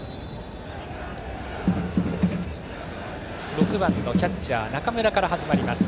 ６番のキャッチャー中村から始まります